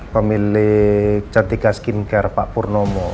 pemilik chartika skincare pak purnomo